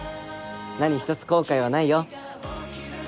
何ひとつ後悔はないよ。